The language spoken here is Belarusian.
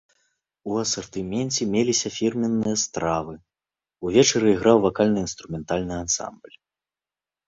У асартыменце меліся фірменныя стравы, увечары іграў вакальна-інструментальны ансамбль.